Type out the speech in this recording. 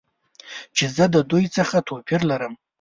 چې زه د دوی څخه توپیر لرم.